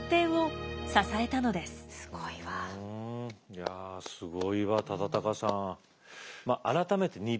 いやすごいわ忠敬さん。